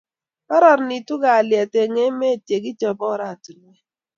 Karanitu kalyet eng' emet ye kichop oratinwek